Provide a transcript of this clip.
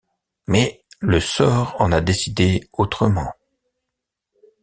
Mais le sort en a décidé autrement.